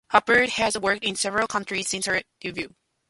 Huppert has worked in several countries since her debut.